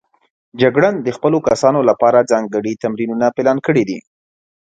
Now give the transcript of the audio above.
جګړن د خپلو کسانو لپاره ځانګړي تمرینونه پلان کړي دي.